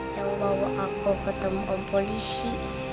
yang bawa aku ketemu polisi